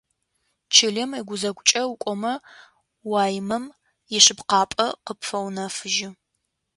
Чылэм ыгузэгукӏэ укӏомэ уаимэм ишъыпкъапӏэ къыпфэунэфыжьы.